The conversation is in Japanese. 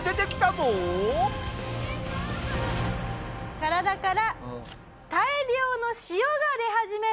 体から大量の塩が出始める。